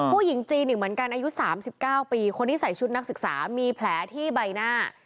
ผู้หญิงจีนอีกเหมือนกันอายุ๓๙ปีคนที่ใส่ชุดนักศึกษามีแผลที่ใบหน้า